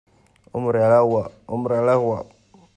¡ hombre al agua! ¡ hombre al agua !